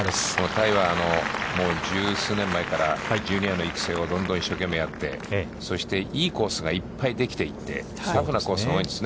タイは十数年前から、ジュニアの育成をどんどん一生懸命やって、そしていいコースがいっぱいできていて、タフなコースが多い。